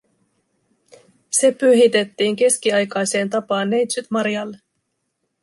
Se pyhitettiin keskiaikaiseen tapaan Neitsyt Marialle